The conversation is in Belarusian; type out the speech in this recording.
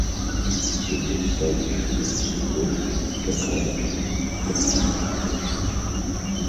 І ты стаіш і не сыходзіш, чакаючы, калі яна зрушыць.